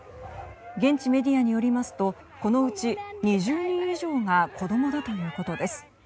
現地メディアによりますとこのうち２０人以上が子供だということです。